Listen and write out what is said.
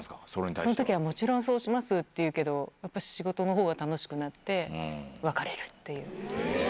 そのときはもちろんそうしますっていうけど、やっぱ、仕事のほうが楽しくなって、別れるっていう。